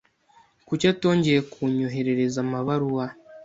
Kuki atongeye kunyoherereza amabaruwa?